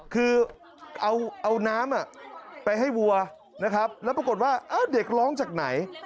คือเอาน้ำไปให้วัวนะครับแล้วปรากฏว่าเด็กร้องจากไหน